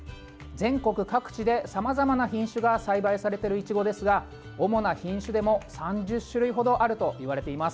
全国各地で、さまざまな品種が栽培されている、いちごですが主な品種でも３０種類ほどあるといわれています。